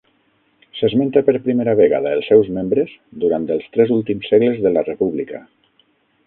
S'esmenta per primera vegada els seus membres durant els tres últims segles de la República.